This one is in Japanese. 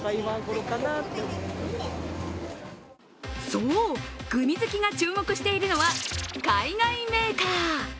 そう、グミ好きが注目しているのは海外メーカー。